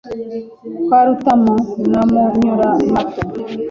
Kwa Rutamu na Munyuramato